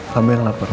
kamu yang lapar